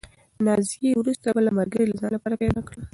نازیې وروسته بله ملګرې د ځان لپاره پیدا کړه.